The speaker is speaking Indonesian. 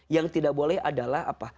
yang tidak boleh adalah apa